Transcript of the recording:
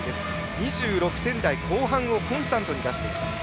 ２６点台後半をコンスタントに出しています。